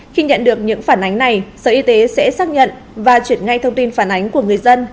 khi nhận được những phản ánh này sở y tế sẽ xác nhận và chuyển ngay thông tin phản ánh của người dân